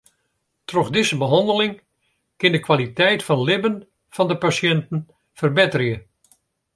Troch dizze behanneling kin de kwaliteit fan libben fan de pasjinten ferbetterje.